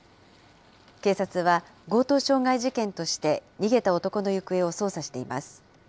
警察は、強盗傷害事件として逃げた男の行方を捜査しています。